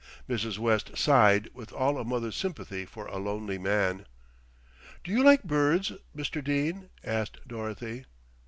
Mrs. West sighed with all a mother's sympathy for a lonely man. "Do you like birds, Mr. Dene?" asked Dorothy.